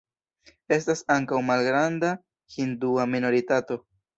Estas ankaŭ malgranda hindua minoritato.